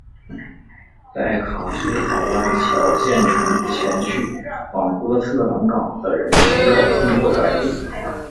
在卡斯考湾桥建成前去往波特兰港的人需要通过摆渡。